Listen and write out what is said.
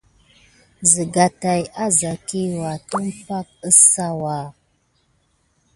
Siga tät a sa kiwua tumpay kiwu kesawa.